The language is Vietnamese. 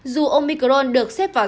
dù omicron được xếp vào dự án